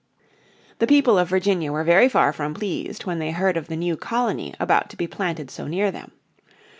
The people of Virginia were very far from pleased when they heard of the new colony about to be planted so near them.